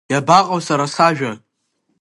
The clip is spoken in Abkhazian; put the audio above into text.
Иабаҟоу сара сажәа?